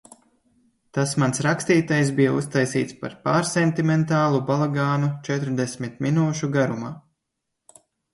Tas mans rakstītais bija uztaisīts par pārsentimentālu balagānu četrdesmit minūšu garumā.